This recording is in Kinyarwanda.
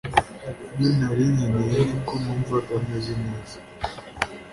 iyo ntari nkeneye, niko numvaga meze neza.